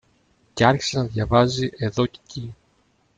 Και άρχισε να διαβάζει εδώ κι εκεί